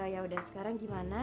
yaudah sekarang gimana